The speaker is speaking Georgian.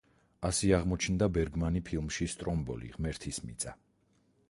ასე აღმოჩნდა ბერგმანი ფილმში „სტრომბოლი, ღმერთის მიწა“.